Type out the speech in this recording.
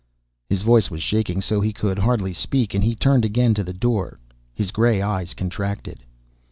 His voice was shaking so he could hardly speak and he turned again to the door, his gray eyes contracted.